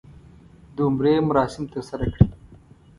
د عمرې مراسم ترسره کړي.